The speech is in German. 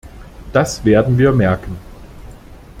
Das werden wir merken.